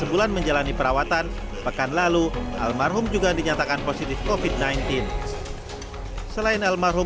sebulan menjalani perawatan pekan lalu almarhum juga dinyatakan positif kofit sembilan belas selain almarhum